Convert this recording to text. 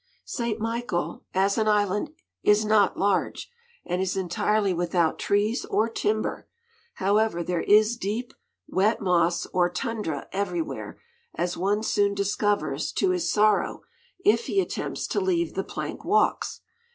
St. Michael, as an island, is not large, and is entirely without trees or timber. However, there is deep, wet moss or tundra everywhere, as one soon discovers to his sorrow if he attempts to leave the plank walks.